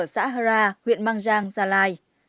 xã hà ra huyện mang giang gia lai